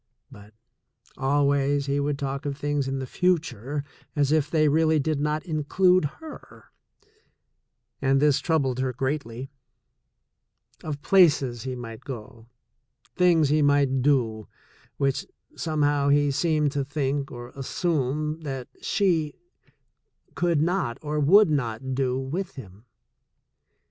But always he would talk of things in the future as if they really did not include her — and this troubled her greatly — of places he might go, things he might do, which, somehow, he seemed to think or assume that she could not or would not do with him.